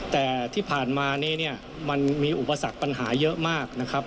แต่ที่ผ่านมานี้เนี่ยมันมีอุปสรรคปัญหาเยอะมากนะครับ